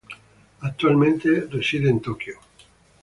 Actualmente ella reside en Tokio.